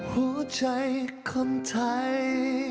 หัวใจคนไทย